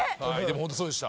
ホントそうでした。